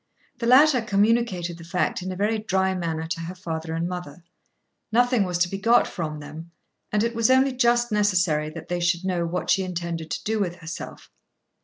The latter communicated the fact in a very dry manner to her father and mother. Nothing was to be got from them, and it was only just necessary that they should know what she intended to do with herself.